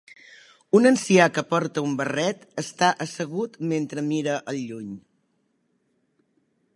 un ancià que porta un barret està assegut mentre mira al lluny